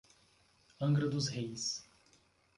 Angra Dos Reis